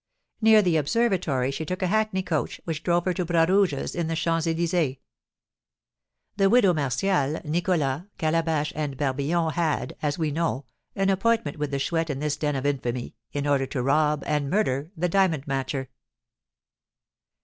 Near the Observatory she took a hackney coach, which drove her to Bras Rouge's in the Champs Elysées. The widow Martial, Nicholas, Calabash, and Barbillon had, as we know, an appointment with the Chouette in this den of infamy, in order to rob and murder the diamond matcher.